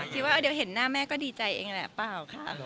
คิดว่าเดี๋ยวเห็นหน้าแม่ก็ดีใจเองแหละเปล่าค่ะ